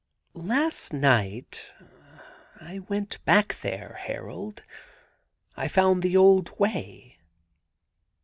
'Last night I went back there, Harold — I found the old way.